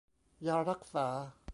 ยารักษา